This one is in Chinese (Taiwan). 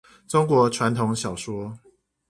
中國傳統小說